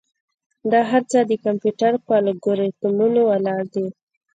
دا هر څه د کمپیوټر پر الگوریتمونو ولاړ دي.